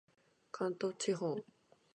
関東地方